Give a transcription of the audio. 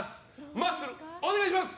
マッスル、お願いします！